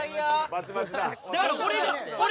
バチバチだ。